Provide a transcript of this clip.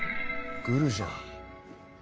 グルじゃん。